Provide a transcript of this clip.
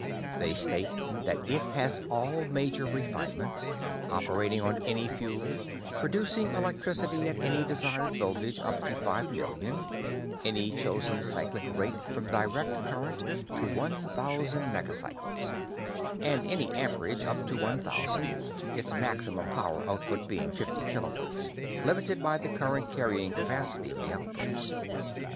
They state that it has all major refinements, operating on any fuel, producing electricity at any desired voltage up to five million, any chosen cyclic rate from direct current to one thousand megacycles, and any amperage up to one thousand, its maximum power output being fifty kilowatts, limited by the current carrying capacity of the outputs.